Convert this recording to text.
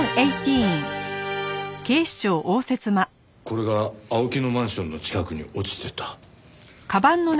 これが青木のマンションの近くに落ちてた。